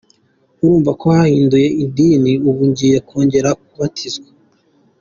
Urumva ko nahinduye idini, ubu ngiye kongera kubatizwa.